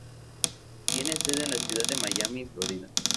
Tiene sede en la ciudad de Miami, Florida.